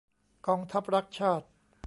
กองทัพรักชาติ !